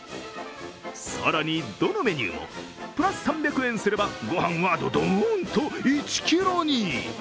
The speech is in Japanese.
更に、どのメニューもプラス３００円すれば、ご飯はどどーんと１ｋｇに。